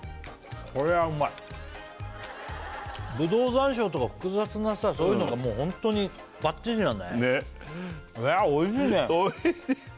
山椒とか複雑なさそういうのがホントにバッチシだねおいしいね